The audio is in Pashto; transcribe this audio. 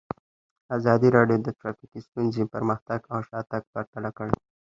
ازادي راډیو د ټرافیکي ستونزې پرمختګ او شاتګ پرتله کړی.